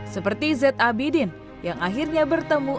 seperti z abidin yang akhirnya bertemu